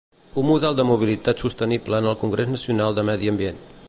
Un model de mobilitat sostenible en el Congrés Nacional de Medi Ambient.